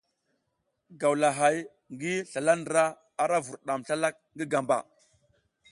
Gawlahay ngi zlala ndra, ara vurdam slalak ngi gamba.